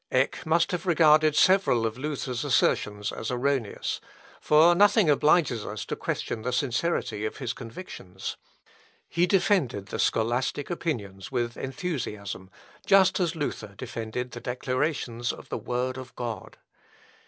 Eck must have regarded several of Luther's assertions as erroneous; for nothing obliges us to question the sincerity of his convictions. He defended the scholastic opinions with enthusiasm, just as Luther defended the declarations of the word of God.